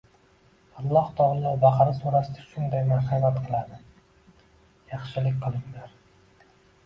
Alloh taolo Baqara surasida shunday marhamat qiladi:”Yaxshilik qilinglar